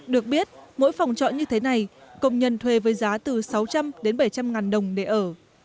được biết mỗi phòng trọ như thế này công nhân thuê với giá từ sáu trăm linh đến bảy trăm linh ngàn đồng để ở